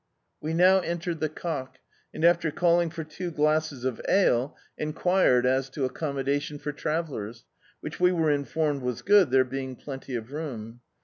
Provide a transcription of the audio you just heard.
We now entered the "Cock," and after calling for two glasses of ale, enquired as to accommoda tion for travellers, which we were informed was good, there being plenty of room.